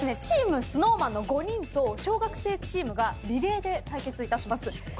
チームＳｎｏｗＭａｎの５人と小学生チームがリレーで対決いたします。